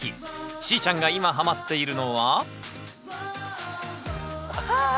しーちゃんが今ハマっているのははあ！